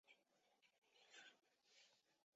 出生于宾夕法尼亚州的布卢姆斯堡。